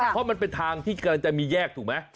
เพราะมันเป็นทางที่กำลังจะมีแยกถูกไหม